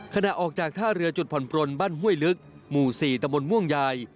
ขณะออกจากท่าเรือจุดผ่อนปลนบ้านห้วยลึกหมู่๔ตะบนม่วงยาย